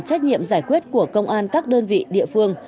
trách nhiệm giải quyết của công an các đơn vị địa phương